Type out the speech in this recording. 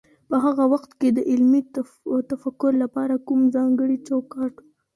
په هغه وخت کي د علمي تفکر لپاره کوم ځانګړی چوکاټ و؟